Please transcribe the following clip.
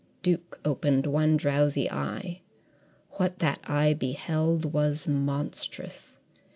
Duke opened one drowsy eye. What that eye beheld was monstrous.